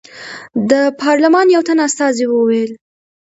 د پارلمان یو تن استازي وویل.